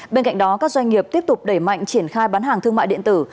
bên cạnh đó các doanh nghiệp tiếp tục đẩy mạnh triển khai bán hàng thương mại điện tử